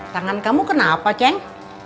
tangan kamu kenapa ceng